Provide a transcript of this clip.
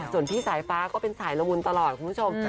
ส่วนพี่สายฟ้าก็เป็นสายละวุนตลอดคุณผู้ชม